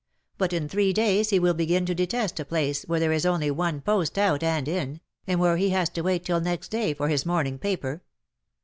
But in three days he will begin to detest a place where there is only one post out and in^ and where he has to wait till next day for his morning paper.